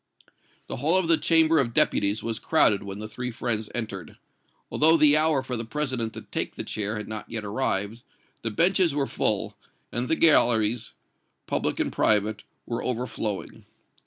The hall of the Chamber of Deputies was crowded when the three friends entered. Although the hour for the President to take the chair had not yet arrived, the benches were full, and the galleries, public and private, were overflowing.